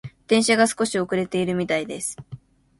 電車が少し遅れているみたいです。